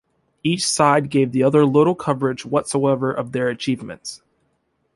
Each side gave the other little coverage whatsoever of their achievements.